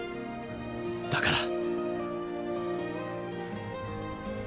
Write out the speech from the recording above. だから。